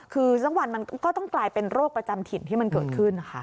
คือสักวันมันก็ต้องกลายเป็นโรคประจำถิ่นที่มันเกิดขึ้นนะคะ